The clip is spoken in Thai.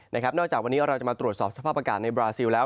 นอกจากวันนี้เราจะมาตรวจสอบสภาพอากาศในบราซิลแล้ว